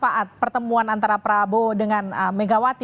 saat pertemuan antara prabowo dengan megawati